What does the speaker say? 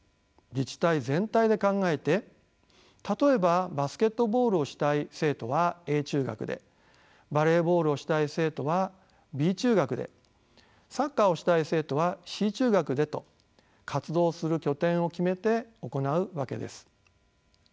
自治体全体で考えて例えばバスケットボールをしたい生徒はＡ中学でバレーボールをしたい生徒はＢ中学でサッカーをしたい生徒はＣ中学でと活動する拠点を決めて行うわけです。